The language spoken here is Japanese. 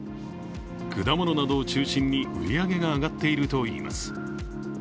果物などを中心に売り上げが上がっているといいます。